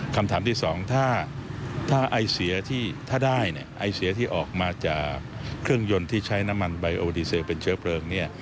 คำถามที่สองถ้าไอเสียที่ถ้าได้เนี่ยไอเสียที่ออกมาจากเครื่องยนต์ที่ใช้น้ำมันไบโอดีเซลเป็นเชื้อเพลิงเนี่ย